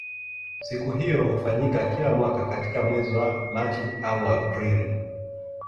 Siku hiyo hufanyika kila mwaka katika mwezi wa Machi au Aprili.